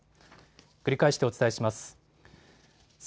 繰り返してお伝えします。